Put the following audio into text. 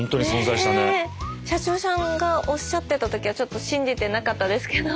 社長さんがおっしゃってた時はちょっと信じてなかったですけど。